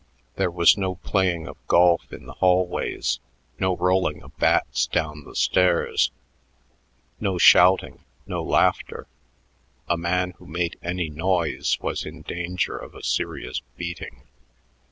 There was no playing of golf in the hallways, no rolling of bats down the stairs, no shouting, no laughter; a man who made any noise was in danger of a serious beating.